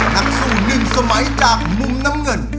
ทั้งศูนย์หนึ่งสมัยจากมุมน้ำเงิน